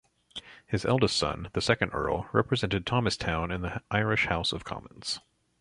His eldest son, the second Earl, represented Thomastown in the Irish House of Commons.